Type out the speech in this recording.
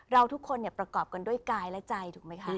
เราทุกคนประกอบกันด้วยกายและใจถูกไหมคะ